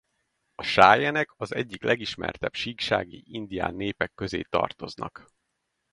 A sájenek az egyik legismertebb síksági indián népek közé tartoznak.